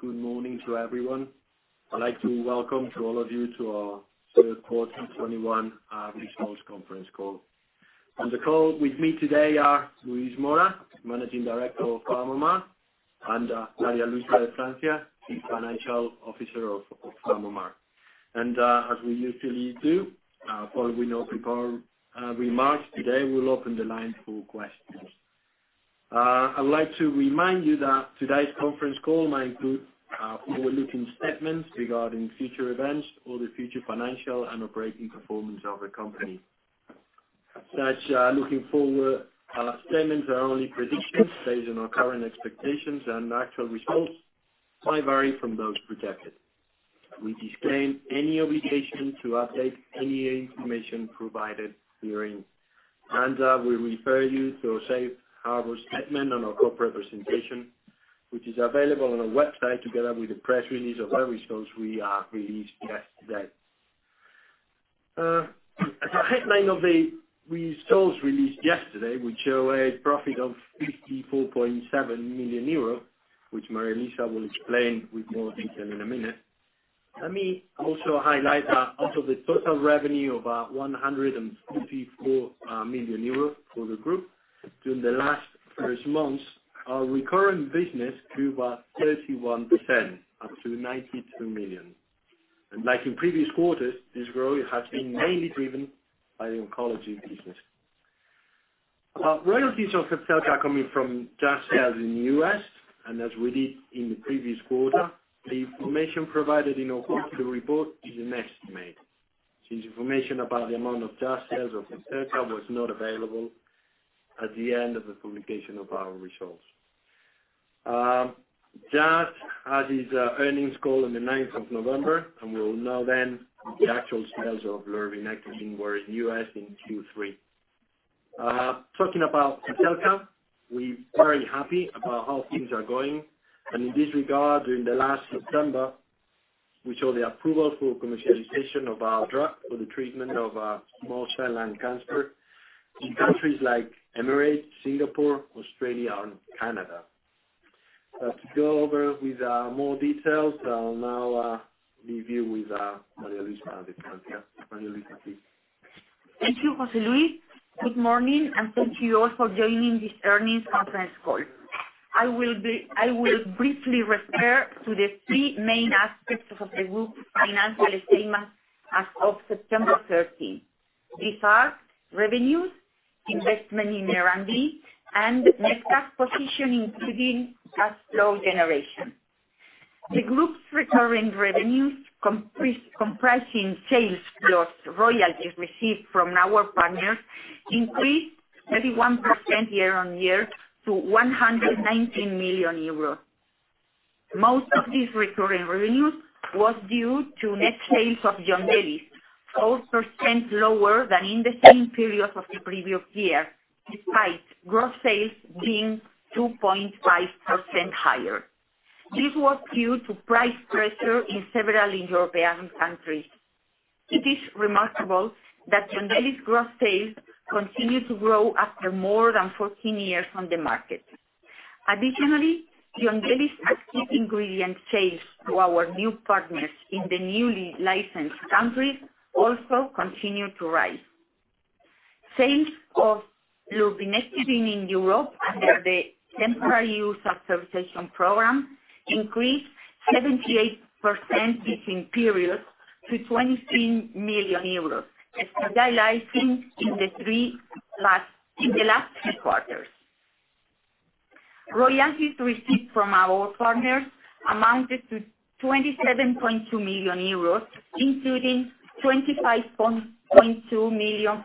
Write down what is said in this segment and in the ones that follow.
Good morning to everyone. I'd like to welcome all of you to our third quarter 2021 results conference call. On the call with me today are Luis Mora, Managing Director of PharmaMar, and María Luisa de Francia, Chief Financial Officer of PharmaMar. As we usually do, following with no prepared remarks, today we'll open the line for questions. I'd like to remind you that today's conference call might include forward-looking statements regarding future events or the future financial and operating performance of the company. Such forward-looking statements are only predictions based on our current expectations and actual results might vary from those projected. We disclaim any obligation to update any information provided herein. We refer you to a Safe Harbor statement on our corporate presentation, which is available on our website together with the press release of the results we released yesterday. As a headline of the results released yesterday, we show a profit of 54.7 million euros, which María Luisa will explain with more detail in a minute. Let me also highlight that out of the total revenue of 144 million euros for the group during the last first months, our recurring business grew by 31% up to 92 million. Like in previous quarters, this growth has been mainly driven by the oncology business. Our royalties of Zepzelca coming from U.S. sales in the U.S., and as we did in the previous quarter, the information provided in our quarterly report is an estimate, since information about the amount of U.S. sales of Zepzelca was not available at the end of the publication of our results. Jazz had its earnings call on November 9th, and we will know then the actual sales of lurbinectedin in the U.S. in Q3. Talking about Zepzelca, we're very happy about how things are going. In this regard, during the last September, we saw the approval for commercialization of our drug for the treatment of small cell lung cancer in countries like Emirates, Singapore, Australia and Canada. To go over more details, I'll now leave you with María Luisa de Francia. María Luisa, please. Thank you, José Luis. Good morning, and thank you all for joining this earnings conference call. I will briefly refer to the three main aspects of the group's financial statement as of September 13th. These are revenues, investment in R&D, and net cash position, including cash flow generation. The group's recurring revenues, comprising sales plus royalties received from our partners, increased 31% year-on-year to 119 million euros. Most of these recurring revenues was due to net sales of Yondelis, 4% lower than in the same period of the previous year, despite gross sales being 2.5% higher. This was due to price pressure in several European countries. It is remarkable that Yondelis's gross sales continue to grow after more than 14 years on the market. Yondelis's active ingredient sales to our new partners in the newly licensed countries also continue to rise. Sales of lurbinectedin in Europe under the Temporary Authorization for Use program increased 78% this period to 23 million euros, stabilizing in the last three quarters. Royalties received from our partners amounted to 27.2 million euros, including 25.2 million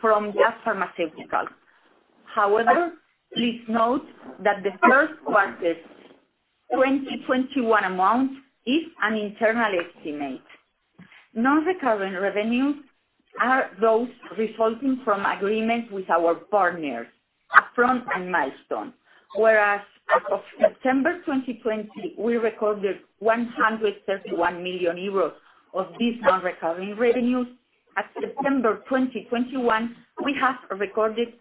from Jazz Pharmaceuticals. However, please note that the first quarter 2021 amount is an internal estimate. Non-recurring revenues are those resulting from agreements with our partners, upfront and milestone. Whereas as of September 2020, we recorded 131 million euros of these non-recurring revenues, at September 2021, we have recorded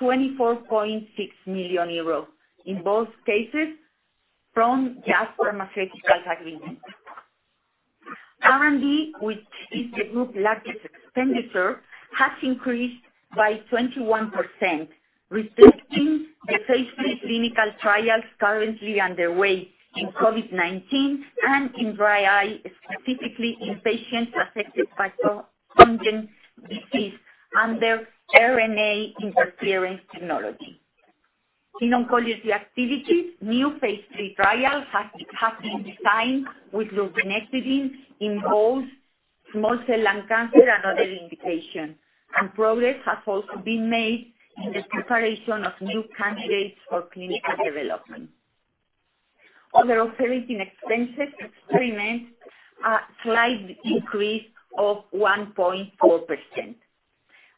24.6 million euros, in both cases from Jazz Pharmaceuticals agreement. R&D, which is the group's largest expenditure, has increased by 21%, reflecting the phase III clinical trials currently underway in COVID-19 and in dry eye, specifically in patients affected by the congenital disease under RNA interference technology. In oncology activities, a new phase III trial has been designed with lurbinectedin in both small cell lung cancer and other indications, and progress has also been made in the preparation of new candidates for clinical development. Other operating expenses remained a slight increase of 1.4%.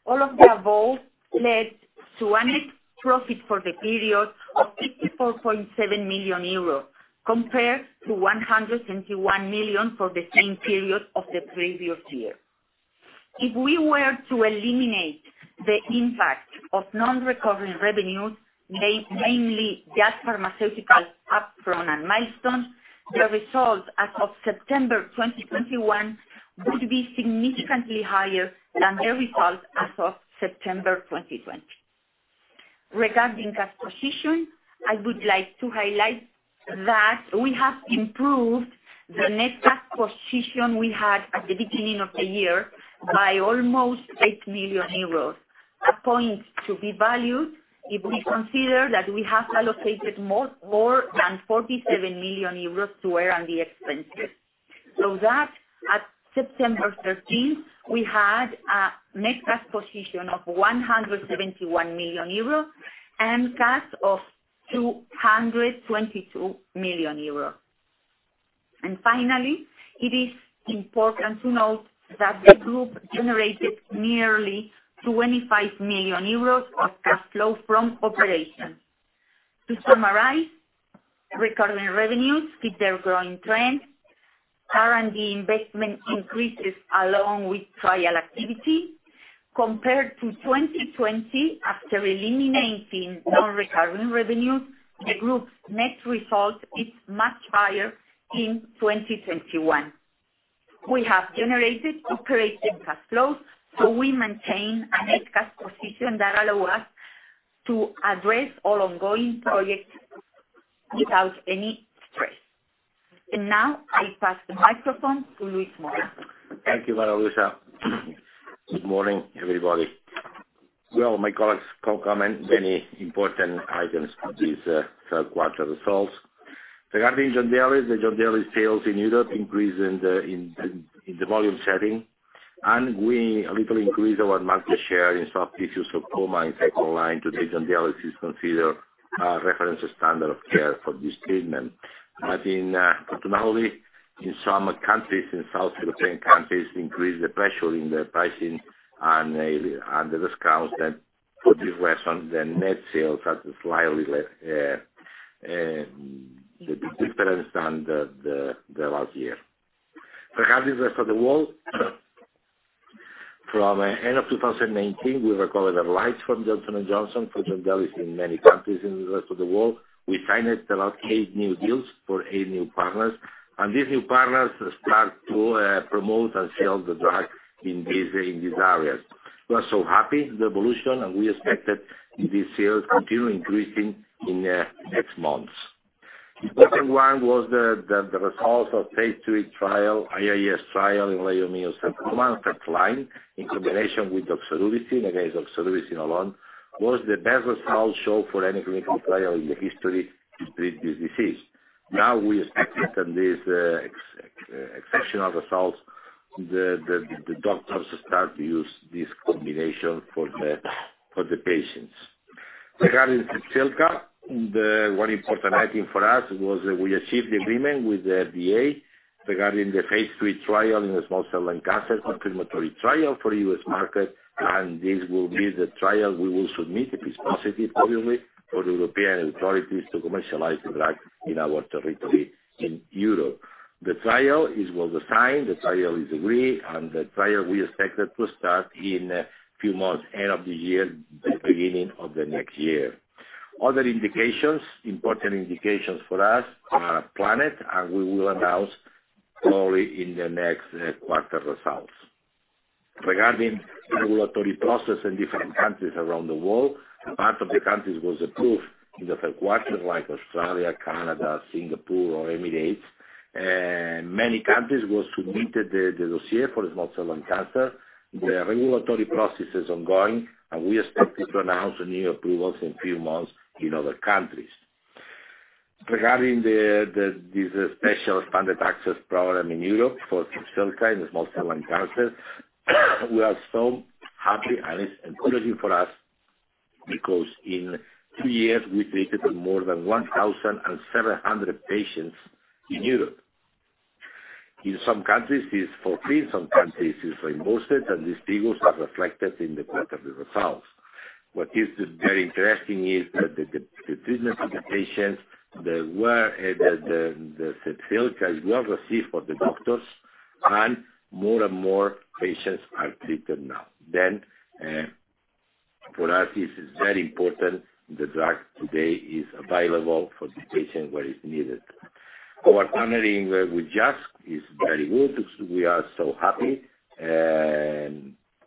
All of the above led to a net profit for the period of 54.7 million euros compared to 121 million for the same period of the previous year. If we were to eliminate the impact of non-recurring revenues, mainly Jazz Pharmaceuticals upfront and milestones, the results as of September 2021 would be significantly higher than the results as of September 2020. Regarding cash position, I would like to highlight that we have improved the net cash position we had at the beginning of the year by almost 8 million euros. A point to be valued if we consider that we have allocated more than 47 million euros to R&D expenses. So that at September 13th, we had a net cash position of 171 million euros and cash of 222 million euros. Finally, it is important to note that the group generated nearly 25 million euros of cash flow from operations. To summarize, recurring revenues keep their growing trend. R&D investment increases along with trial activity. Compared to 2020, after eliminating non-recurring revenues, the group's net result is much higher in 2021. We have generated operating cash flows, so we maintain a net cash position that allow us to address all ongoing projects without any stress. Now I pass the microphone to Luis Mora. Thank you, María Luisa. Good morning, everybody. Well, my colleagues have commented on many important items of these third quarter results. Regarding Yondelis, the Yondelis sales in Europe increased in the volume setting, and we slightly increased our market share in soft tissue sarcoma and second-line treatment, and Yondelis is considered reference standard of care for this treatment. Unfortunately, in some countries, in South European countries, increased the pressure in the pricing and the discounts, then for this reason, the net sales are slightly different than the last year. Regarding the rest of the world, from end of 2019, we recovered the rights from Johnson & Johnson for Yondelis in many countries in the rest of the world. We signed eight new deals for eight new partners, and these new partners start to promote and sell the drug in these areas. We are so happy with the evolution, and we expect that these sales continue increasing in next months. The second one was the results of phase III trial, SaLuDo trial in leiomyosarcoma front line in combination with doxorubicin against doxorubicin alone, was the best results shown for any clinical trial in the history to treat this disease. Now we expect that this exceptional results, the doctors start to use this combination for the patients. Regarding Zepzelca, the very important item for us was that we achieved the agreement with the FDA regarding the phase III trial in the small cell lung cancer, a mandatory trial for U.S. market. This will be the trial we will submit, if it's positive, obviously, for the European authorities to commercialize the drug in our territory in Europe. The trial is well designed, the trial is agreed, and the trial we expected to start in a few months, end of the year, the beginning of the next year. Other indications, important indications for us are plitidepsin, and we will announce probably in the next quarter results. Regarding regulatory process in different countries around the world, part of the countries was approved in the third quarter, like Australia, Canada, Singapore or Emirates. Many countries was submitted the dossier for small cell lung cancer. The regulatory process is ongoing and we are expected to announce new approvals in a few months in other countries. Regarding this special expanded access program in Europe for Zepzelca in small cell lung cancer, we are so happy and it's encouraging for us because in two years we treated more than 1,700 patients in Europe. In some countries, it's for free, in some countries, it's reimbursed, and these figures are reflected in the quarter results. What is very interesting is that the treatment of the patients, the Zepzelca is well received for the doctors and more and more patients are treated now. For us this is very important. The drug today is available for the patient when it's needed. Our partnering with Jazz is very good, we are so happy.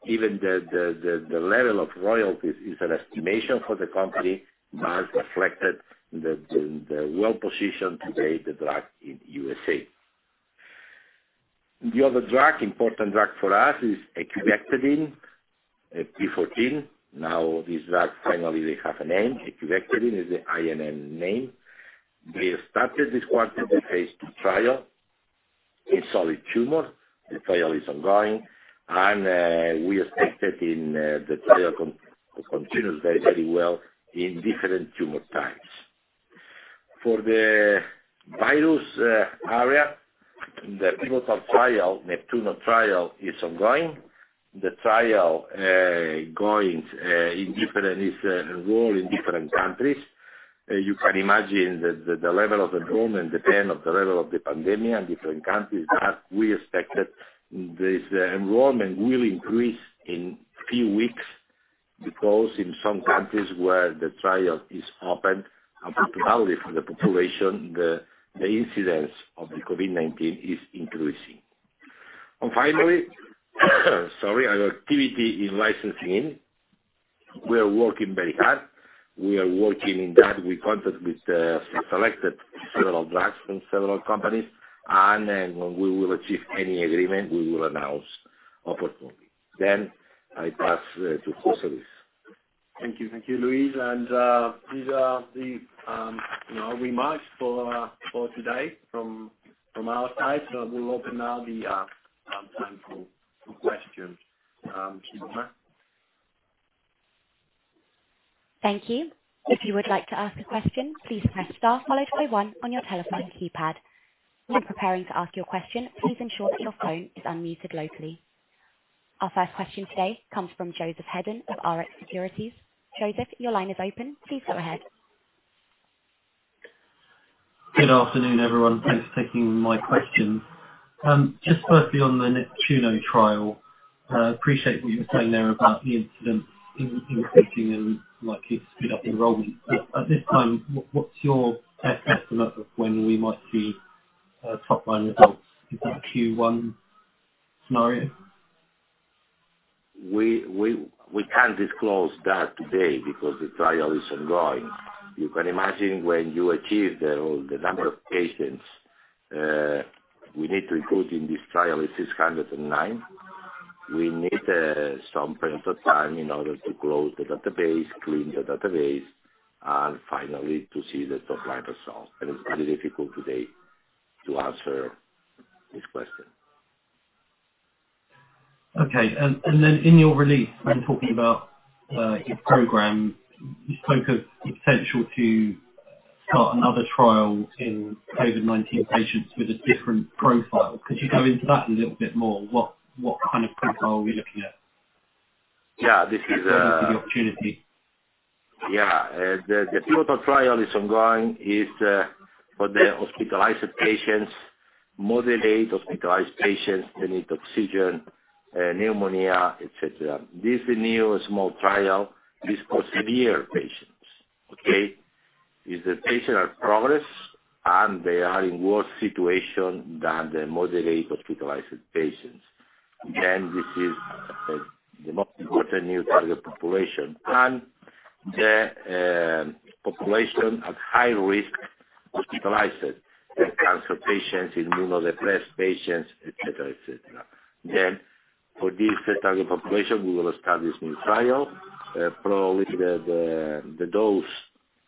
Even the level of royalties is an estimation for the company, but reflected the well position today the drug in U.S. The other drug, important drug for us is ecubectedin, PM14. Now this drug finally they have a name. ecubectedin is the INN name. They started this quarter the phase II trial in solid tumor. The trial is ongoing and we expect the trial continues very, very well in different tumor types. For the virus area, the pivotal trial, NEPTUNO trial is ongoing. The trial is going, is enrolled in different countries. You can imagine that the level of enrollment depend on the level of the pandemic in different countries. As we expected, this enrollment will increase in few weeks because in some countries where the trial is open, unfortunately for the population, the incidence of the COVID-19 is increasing. Finally, sorry, our activity in licensing. We are working very hard. We are working in that. We contact with selected several drugs from several companies, and then when we will achieve any agreement, we will announce appropriately. I pass to José Luis. Thank you, Luis. These are the, you know, remarks for today from our side. We'll open now the time for questions. Simona? Thank you. If you would like to ask a question, please press star followed by one on your telephone keypad. When preparing to ask your question, please ensure that your phone is unmuted locally. Our first question today comes from Joseph Hedden of Rx Securities. Joseph, your line is open. Please go ahead. Good afternoon, everyone. Thanks for taking my questions. Just firstly on the NEPTUNO trial, appreciate what you were saying there about the incidence increasing and likely to speed up enrollment. At this time, what's your best estimate of when we might see top line results? Is that Q1 scenario? We can't disclose that today because the trial is ongoing. You can imagine when you achieve the number of patients we need to include in this trial is 609. We need some period of time in order to close the database, clean the database, and finally to see the top line results. It's very difficult today to answer this question. Okay. Then in your release, when talking about your program, you spoke of it's essential to start another trial in COVID-19 patients with a different profile. Could you go into that a little bit more? What kind of profile are we looking at, in terms of the opportunity? Yeah, the pivotal trial is ongoing. It's for the hospitalized patients, moderate hospitalized patients that need oxygen, pneumonia, etc. This new small trial is for severe patients, okay? If the patient have progressed and they are in worse situation than the moderate hospitalized patients, then this is the most important new target population. The population at high risk hospitalized, the cancer patients, immunosuppressed patients, etc. For this target population, we will start this new trial. Probably the dose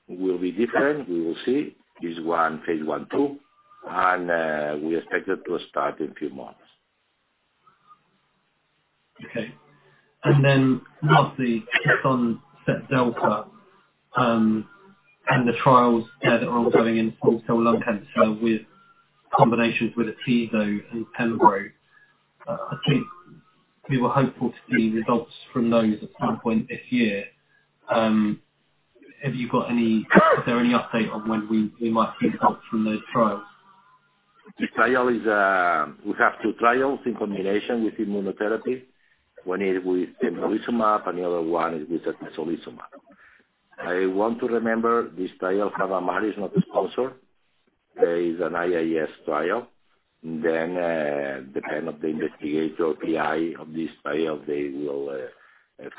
will be different. We will see. This one, phase I/II. We expect it to start in a few months. Okay. Lastly, just on Zepzelca, and the trials that are ongoing in small cell lung cancer with combinations with Opdivo and pembro. I think we were hopeful to see results from those at some point this year. Is there any update on when we might see results from those trials? The trial is. We have two trials in combination with immunotherapy. One is with pembrolizumab and the other one is with atezolizumab. I want to remember this trial have a management sponsor. There is an IAS trial. Then, depend on the investigator or PI of this trial, they will,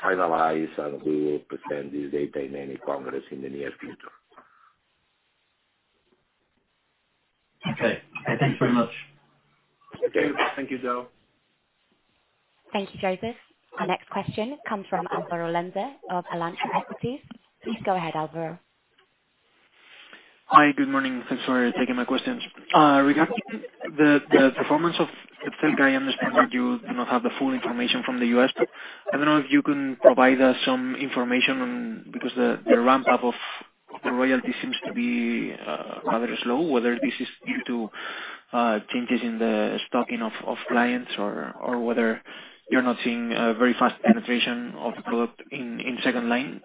finalize and we will present this data in any congress in the near future. Okay, thanks very much. Thank you, Joe. Thank you, Joseph. Our next question comes from Alvaro Lenze of Alantra Equities. Please go ahead, Alvaro. Hi, good morning. Thanks for taking my questions. Regarding the performance of Zepzelca, I understand that you do not have the full information from the U.S. I don't know if you can provide us some information on, because the ramp up of the royalty seems to be rather slow. Whether this is due to changes in the stocking of clients or whether you're not seeing a very fast penetration of the product in second line.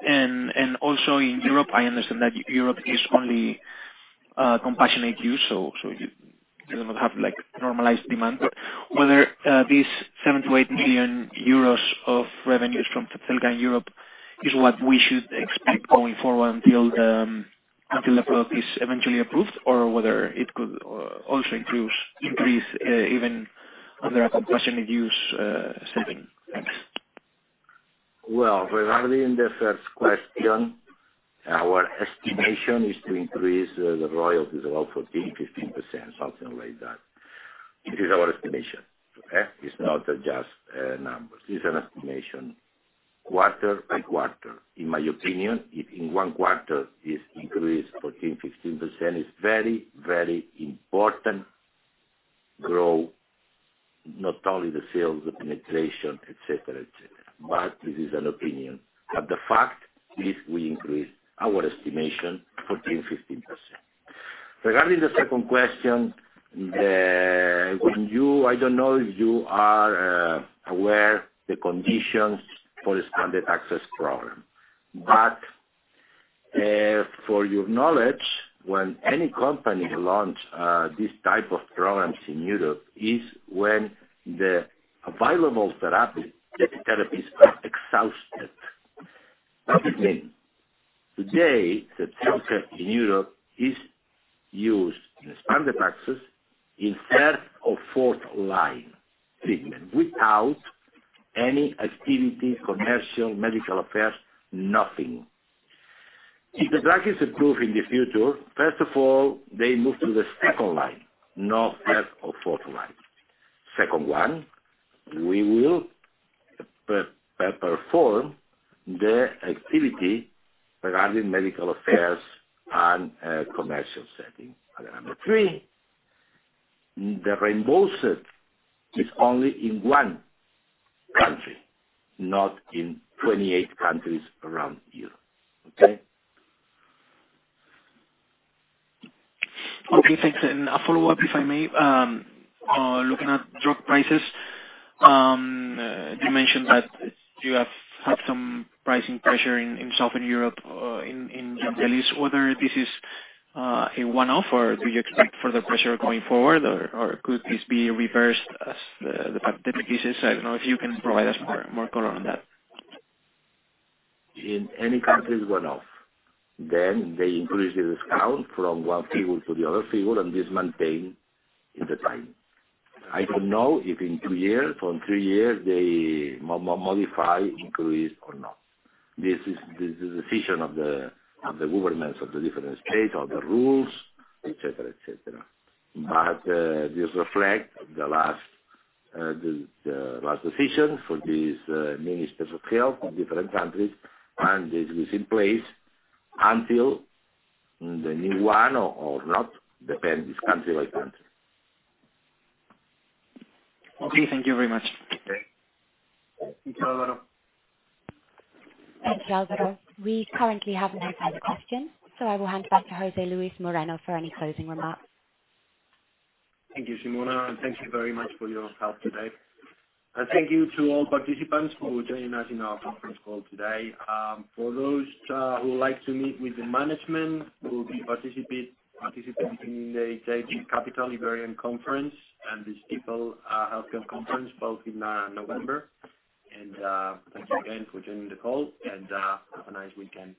Also in Europe, I understand that Europe is only compassionate use. You do not have, like, normalized demand. Whether this 7 million-8 million euros of revenues from Zepzelca in Europe is what we should expect going forward until the product is eventually approved, or whether it could also increase even under a compassionate use setting. Thanks. Well, regarding the first question, our estimation is to increase the royalties about 14%-15%, something like that. This is our estimation, okay? It's not just numbers. It's an estimation, quarter-by-quarter. In my opinion, if in one quarter is increased 14%-15%, it's very, very important growth, not only the sales, the penetration, etc. This is an opinion. The fact is we increased our estimation 14%-15%. Regarding the second question, I don't know if you are aware the conditions for expanded access program. For your knowledge, when any company launch this type of programs in Europe is when the available therapy, the therapies are exhausted. What it mean? Today, Zepzelca in Europe is used in expanded access in third or fourth line treatment without any activity, commercial, medical affairs, nothing. If the drug is approved in the future, first of all, they move to the second line, not third or fourth line. Second one, we will perform the activity regarding medical affairs and commercial setting. Number three, the reimbursement is only in one country, not in 28 countries around Europe. Okay? Okay, thanks. A follow-up, if I may. Looking at drug prices, you mentioned that you have had some pricing pressure in Southern Europe, in Yondelis. Whether this is a one-off or do you expect further pressure going forward or could this be reversed, I don't know if you can provide us more color on that. In any country is one-off. Then they increase the discount from one figure to the other figure, and this maintain in the time. I don't know if in two years or in three years they modify, increase or not. This is the decision of the governments of the different states, of the rules, etc. This reflect the last decision for these ministers of health in different countries, and this is in place until the new one or not, depend. It's country-by-country. Okay, thank you very much. Okay. Thanks, Alvaro. Thanks, Alvaro. We currently have no further questions, so I will hand back to José Luis Moreno for any closing remarks. Thank you, Simona, and thank you very much for your help today. Thank you to all participants for joining us in our conference call today. For those who would like to meet with the management, we'll be participating in the JMP Capital Iberian Conference and the Piper Sandler Healthcare Conference both in November. Thanks again for joining the call and have a nice weekend.